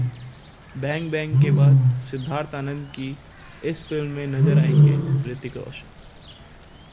'bang bang' के बाद सिद्धार्थ आनंद की इस फिल्म में नजर आएंगे रितिक रोशन